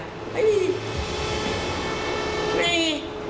ไม่มีไม่มี